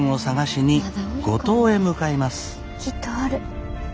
きっとおる。